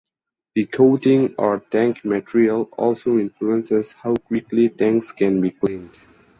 The coating or tank material also influences how quickly tanks can be cleaned.